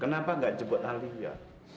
kenapa nggak jemput alia